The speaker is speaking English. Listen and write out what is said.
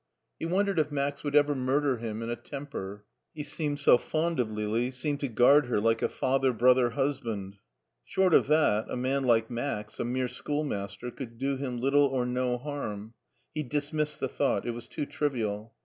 He won dered if Max would ever murder him in a temper; he seemed so fond of Lili, seemed to guard her like a father brother husband. Short of that, a man like Max, a mere schoolmaster, could do him little or no harm. He dismissed the thought; it was too trivial.